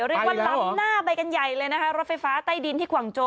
หรือว่าลำหน้าใบกันใหญ่เลยรถไฟฟ้าใต้ดินที่กว่างโจ